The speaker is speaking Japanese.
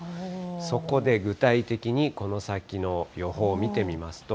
そこで具体的にこの先の予報見てみますと。